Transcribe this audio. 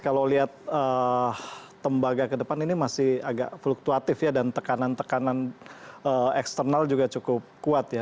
kalau lihat tembaga ke depan ini masih agak fluktuatif ya dan tekanan tekanan eksternal juga cukup kuat ya